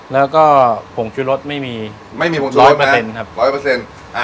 แล้วก็ผงชุดรสไม่มี๑๐๐ครับไม่มีผงชุดรสนะ๑๐๐